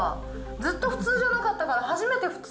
ずっと普通じゃなかったから、初めて普通。